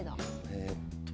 えっと。